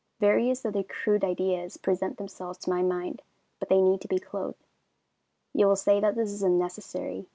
Various other crude ideas present themselves to my mind, but they need to be clothed. You will say that this is unnecessary.